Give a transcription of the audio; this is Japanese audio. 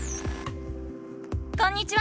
こんにちは！